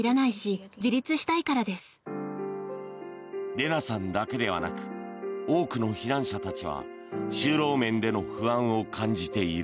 レナさんだけではなく多くの避難者たちは就労面での不安を感じている。